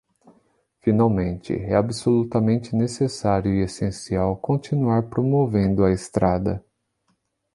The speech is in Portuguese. Finalmente, é absolutamente necessário e essencial continuar promovendo a estrada.